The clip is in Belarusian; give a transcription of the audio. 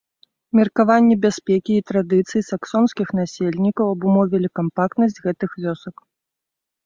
Меркаванні бяспекі і традыцыі саксонскіх насельнікаў абумовілі кампактнасць гэтых вёсак.